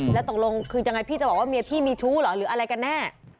แล้วตกลงคือยังไงพี่จะบอกว่าเมียพี่มีชู้เหรอหรืออะไรกันแน่